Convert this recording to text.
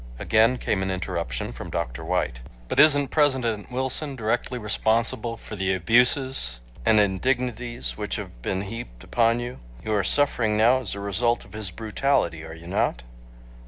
Again came an interruption from Dr. White, "But isn't President Wilson directly responsible for the abuses anal indignities which have been heaped upon you? You are suffering now as a result of his brutality, are you not?"